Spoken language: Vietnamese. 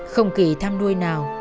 không kỳ thăm nuôi nào